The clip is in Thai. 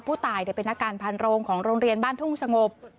ผู้ตายเป็นอาการพันโรงของโรงเรียนบ้านทุ่งสงบ